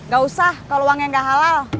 gak usah kalau uangnya nggak halal